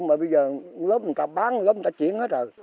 mà bây giờ lớp người ta bán lớp người ta chuyển hết rồi